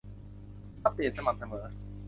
อัปเดตสม่ำเสมอ